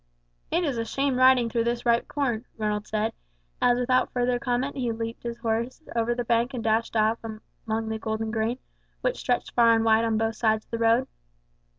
"It is a shame riding through this ripe corn," Ronald said, as without any further comment he leaped his horse over the bank and dashed off among the golden grain, which stretched far and wide on both sides of the road.